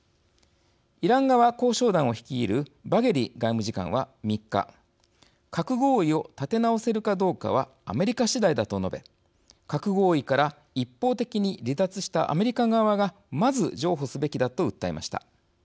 イラン側交渉団を率いるバゲリ外務次官は、３日「核合意を立て直せるかどうかはアメリカ次第だ」と述べ核合意から一方的に離脱したアメリカ側がまず譲歩すべきだと訴えました。